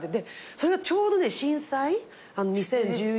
それがちょうどね震災２０１１年のときで。